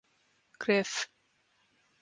Gref.